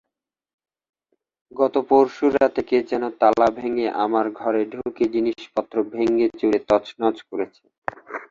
গত পরশু রাতে কে যেন তালা ভেঙে আমার ঘরে ঢুকে জিনিসপত্র ভেঙেচুরে তছনছ করেছে।